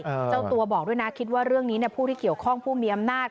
เจ้าตัวบอกด้วยนะคิดว่าเรื่องนี้เนี่ยผู้ที่เกี่ยวข้องผู้มีอำนาจ